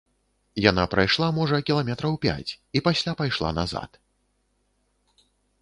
Яна прайшла, можа, кіламетраў пяць і пасля пайшла назад.